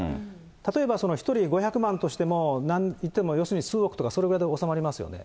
例えば１人５００万としても、何人いても、数億とかそれぐらいで収まりますよね。